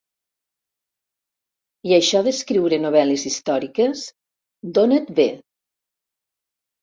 I això d'escriure novel·les històriques, d'on et ve?